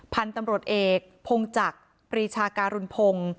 พันธุ์ตำรวจเอกพงจักรปรีชาการุณพงศ์